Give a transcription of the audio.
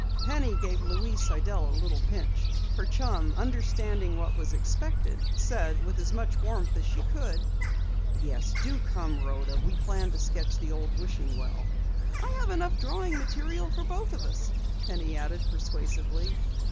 Penny gave Louise Sidell a little pinch. Her chum, understanding what was expected, said with as much warmth as she could: "Yes, do come, Rhoda. We plan to sketch the old wishing well." "I have enough drawing material for both of us," Penny added persuasively.